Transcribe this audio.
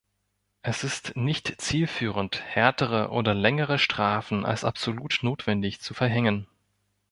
Es ist nicht zielführend, härtere oder längere Strafen als absolut notwendig zu verhängen.